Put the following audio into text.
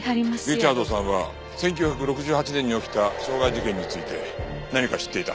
リチャードさんは１９６８年に起きた傷害事件について何か知っていた。